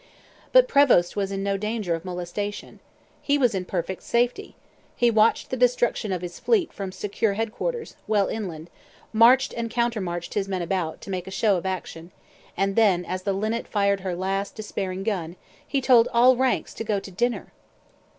But Prevost was in no danger of molestation. He was in perfect safety. He watched the destruction of his fleet from his secure headquarters, well inland, marched and countermarched his men about, to make a show of action; and then, as the Linnet fired her last, despairing gun, he told all ranks to go to dinner.